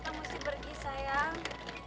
maksudnya kita mesti pergi sayang